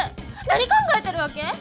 何考えてるわけ？